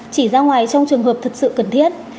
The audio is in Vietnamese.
chỉ ra ngoài trong trường hợp thật sự cần thiết